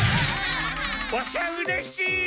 ワシゃうれしい！